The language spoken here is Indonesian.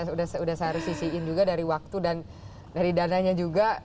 sudah saya harus sisihin juga dari waktu dan dari dananya juga